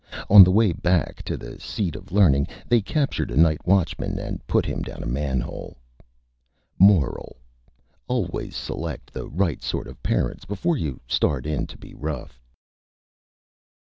On the way back to the Seat of Learning they captured a Night Watchman, and put him down a Man Hole. MORAL: _Always select the Right Sort of Parents before you start in to be Rough.